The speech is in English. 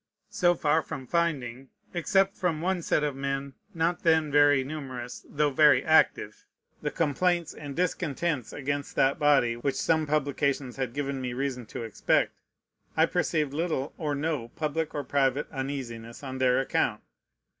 So far from finding (except from one set of men, not then very numerous, though very active) the complaints and discontents against that body which some publications had given me reason to expect, I perceived little or no public or private uneasiness on their account.